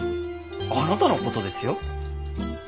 あなたの事ですよ。